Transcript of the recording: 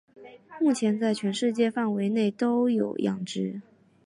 目前在全世界范围内都有养殖。